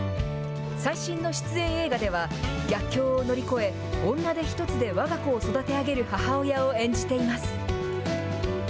最新の出演映画では、逆境を乗り越え、女手一つでわが子を育て上げる母親を演じています。